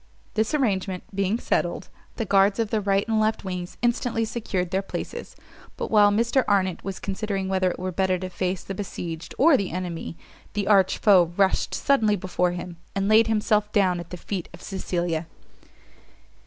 This arrangement being settled, the guards of the right and left wings instantly secured their places; but while Mr Arnott was considering whether it were better to face the besieged or the enemy, the arch foe rushed suddenly before him, and laid himself down at the feet of Cecilia!